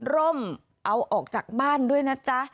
ร่มเอาออกจากบ้านด้วยนะจ๊ะ